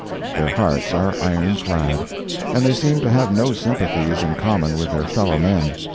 Their hearts are ironclad, and they seem to have no sympathies in common with their fellow men.